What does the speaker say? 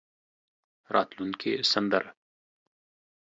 راتلونکې سندره.